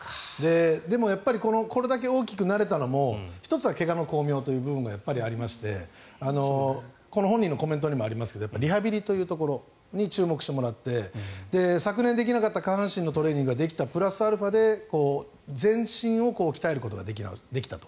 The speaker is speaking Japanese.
でもやっぱりこれだけ大きくなれたのも１つは怪我の功名というところがあってこの本人のコメントにもありますがリハビリというコメントに注目してもらって昨年できなかった下半身のトレーニングができたプラスアルファで全身を鍛えることができたと。